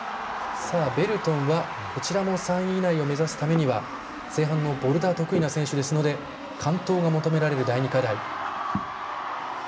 ベルトンこちらも３位以内を目指すために前半のボルダー得意な選手ですので完登が求められる第２課題。